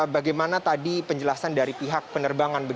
bagaimana tadi penjelasan dari pihak penerbangan